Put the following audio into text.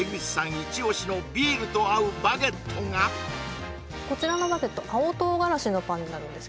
イチオシのビールと合うバゲットがこちらのバゲット青唐辛子のパンになるんです